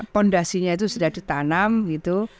fondasinya itu sudah ditanam gitu